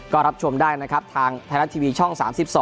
ก็รับชมได้นะครับทางไทยรัฐทีวีช่อง๓๒